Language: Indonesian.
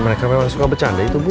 mereka memang suka bercanda itu bu